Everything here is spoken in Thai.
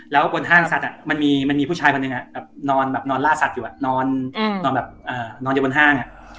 แล้วบนห้างมีผู้ชายนอนร่าสัตว์อยู่นอนจากห้าง